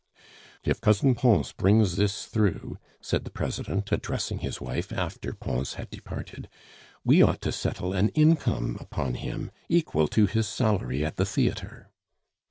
"If Cousin Pons brings this through," said the President, addressing his wife after Pons had departed, "we ought to settle an income upon him equal to his salary at the theatre."